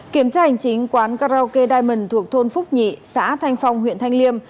kiểm tra hành chính quán karaoke diamond thuộc thôn phúc nhị xã thanh phong huyện thanh liêm